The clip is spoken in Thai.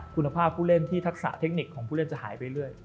คุณภาพผู้เล่นที่ทักษะเทคนิคของผู้เล่นจะหายไปเรื่อย